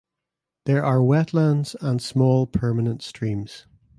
There are wetlands and small permanent streams.